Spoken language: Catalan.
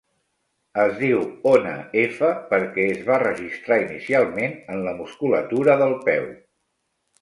Es diu ona F perquè es va registrar inicialment en la musculatura del peu.